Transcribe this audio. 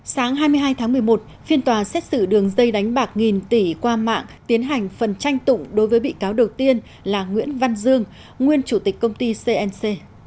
sáng hai mươi hai tháng một mươi một phiên tòa xét xử đường dây đánh bạc nghìn tỷ qua mạng tiến hành phần tranh tụng đối với bị cáo đầu tiên là nguyễn văn dương nguyên chủ tịch công ty cnc